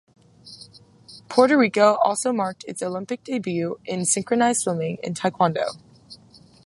Puerto Rico also marked its Olympic debut in synchronized swimming and taekwondo.